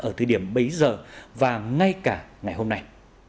ở thời điểm bấy giờ và ngay cả ngày hôm nay